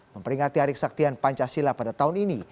memperingati hari kesaktian pancasila pada tahun ini